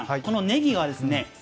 このねぎはですね